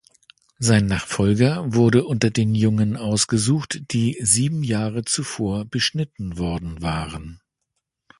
Sein Nachfolger wurde unter den Jungen ausgesucht, die sieben Jahre zuvor beschnitten worden waren.